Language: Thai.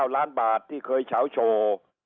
๙ล้านบาทที่เคยเฉาโชว์